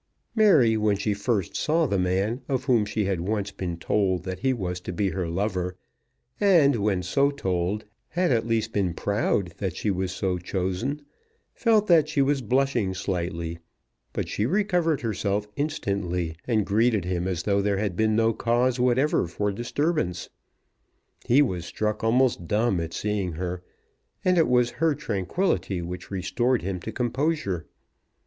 Mary, when she first saw the man, of whom she had once been told that he was to be her lover, and, when so told, had at least been proud that she was so chosen, felt that she was blushing slightly; but she recovered herself instantly, and greeted him as though there had been no cause whatever for disturbance. He was struck almost dumb at seeing her, and it was her tranquillity which restored him to composure.